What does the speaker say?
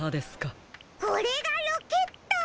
これがロケット。